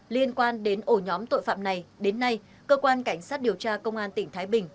liên quan đến ổ nhóm tội phạm này đến nay cơ quan cảnh sát điều tra công an tỉnh thái bình